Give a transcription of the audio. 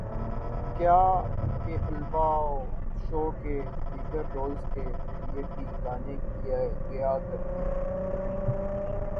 کیا کے الوا وو شو کے دیگر رولز کے لیے بھی گانے گیا کرتی پتلی